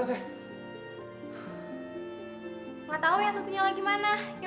gak tahu yang satunya lagi mana